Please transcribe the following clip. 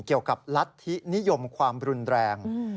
เกี่ยวกับรัฐธินิยมความรุนแรง